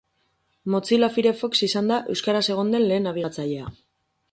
Mozilla Firefox izan da euskaraz egon den lehen nabigatzailea.